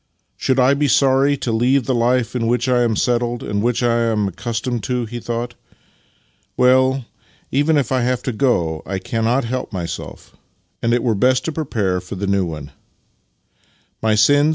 " Should I be sorry to leave the life in which I am settled and which I am accustomed to? " he thought. " Well, even if I have to go, I cannot help myself, and it were best to prepare for the new one." " My sins?